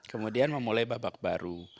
kemudian memulai babak baru